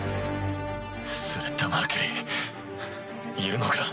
スレッタ・マーキュリーいるのか？